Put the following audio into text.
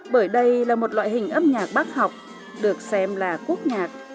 bởi đây là một loại hình âm nhạc bác học được xem là quốc nhạc